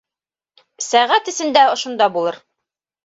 Сәғәт эсендә ошонда булыр.